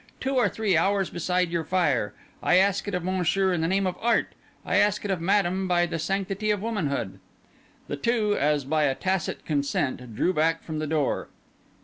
Two or three hours beside your fire—I ask it of Monsieur in the name of Art—I ask it of Madame by the sanctity of womanhood." The two, as by a tacit consent, drew back from the door.